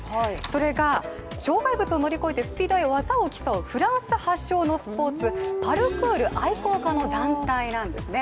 それが障害物を乗り越えてスピードや技を競うフランス発祥のスポーツ、パルクール愛好家の団体なんですね。